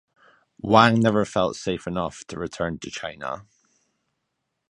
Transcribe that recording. Wang never felt safe enough to return to China.